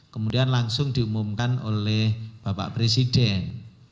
kemudian langsung diumumkan oleh bapak presiden